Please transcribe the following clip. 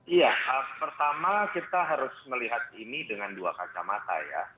iya pertama kita harus melihat ini dengan dua kacamata ya